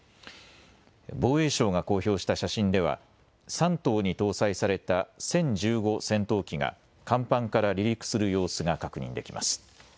防衛省が公表した写真では山東に搭載された殲１５戦闘機が甲板から離陸する様子が確認できます。